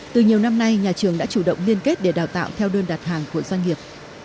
từ nhiều năm nay nhà trường đã chủ động liên kết để đào tạo theo đơn đặt hàng của doanh nghiệp